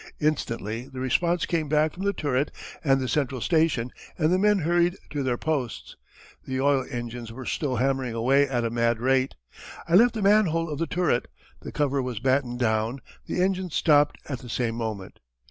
Instantly the response came back from the turret and the central station, and the men hurried to their posts. The oil engines were still hammering away at a mad rate. I left the manhole of the turret. The cover was battened down, the engines stopped at the same moment.